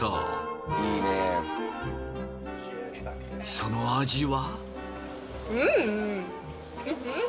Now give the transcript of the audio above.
その味は？